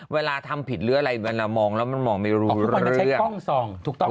เวลาทำผิดเรื่อยอะไรมองมองไปเรื่อย